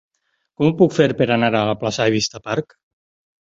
Com ho puc fer per anar a la plaça de Vista Park?